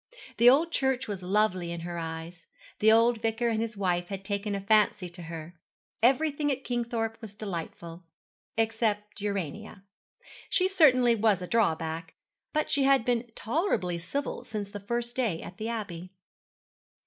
The old church was lovely in her eyes; the old vicar and his wife had taken a fancy to her. Everything at Kingthorpe was delightful, except Urania. She certainly was a drawback; but she had been tolerably civil since the first day at the Abbey.